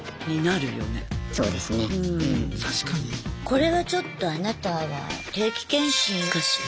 これはちょっとあなたは定期検診かしら。